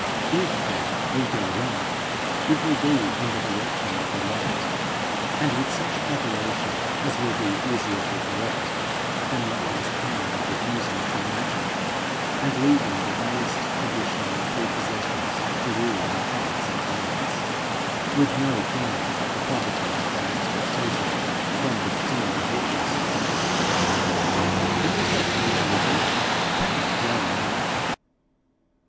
If then we go wrong, it will be in the direction of the right, and with such aberration as will be easier to correct than what must come of refusing to imagine, and leaving the dullest traditional prepossessions to rule our hearts and minds, with no claim but the poverty of their expectation from the paternal riches. Those that hope little cannot grow much.